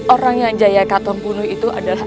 orang yang jaya katon bunuh itu adalah